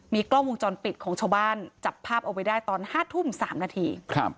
กล้องวงจรปิดของชาวบ้านจับภาพเอาไว้ได้ตอน๕ทุ่ม๓นาที